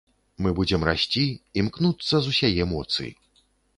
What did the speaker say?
Мы будзем расці, імкнуцца з усяе моцы.